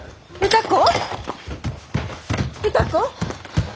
歌子？